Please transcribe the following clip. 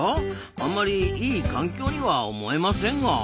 あんまりいい環境には思えませんが。